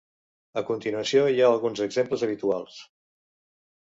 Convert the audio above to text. A continuació hi ha alguns exemples habituals.